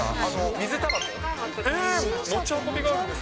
水たばこです。